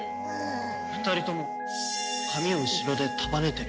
２人とも髪を後ろで束ねてる。